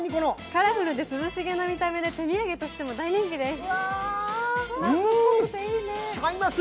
カラフルで涼しげな見た目で手土産としても大人気です。